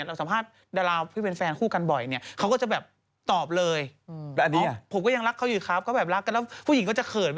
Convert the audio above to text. เราประจนอะไรกันมาเยอะแยะมากมายร่วมธุกร์ร่วมสุข